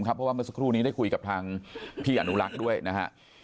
เพราะว่าเมื่อสักครู่นี้ได้คุยกับทางพี่อนุรักษ์ด้วยนะฮะ